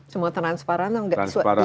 semua transparan dong